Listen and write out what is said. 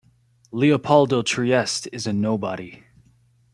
Leopoldo Trieste is a nobody.